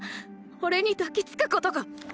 おれに抱きつくことか？